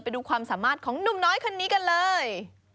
ไปดูความสามารถของหนุ่มน้อยคนนี้กันเลย